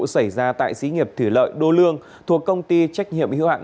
xảy ra tại sĩ nghiệp thủy lợi đô lương thuộc công ty trách nhiệm hiệu hạn